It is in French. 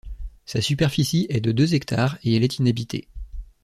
Sa superficie est de deux hectares et elle est inhabitée.